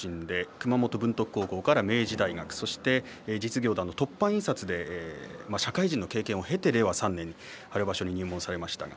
熊本の文徳高校から明治大学、実業団の凸版印刷で社会人の経験を経て令和３年春場所に入門されました。